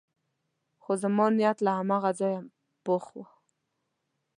خو زما نیت له هماغه ځایه پخ و.